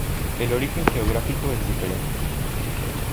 El origen geográfico es diferente.